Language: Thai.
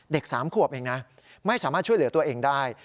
๓ขวบเองนะไม่สามารถช่วยเหลือตัวเองได้